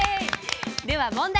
では問題。